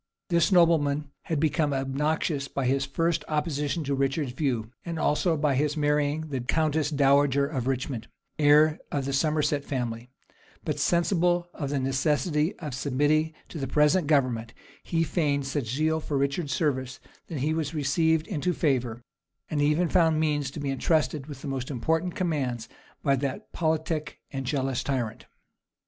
This nobleman had become obnoxious by his first opposition to Richard's views, and also by his marrying the countess dowager of Richmond, heir of the Somerset family; but sensible of the necessity of submitting to the present government, he feigned such zeal for Richard's service, that he was received into favor, and even found means to be intrusted with the most important commands by that politic and jealous tyrant.